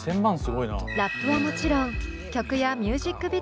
ラップはもちろん曲やミュージックビデオ